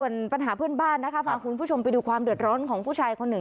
ส่วนปัญหาเพื่อนบ้านนะคะพาคุณผู้ชมไปดูความเดือดร้อนของผู้ชายคนหนึ่ง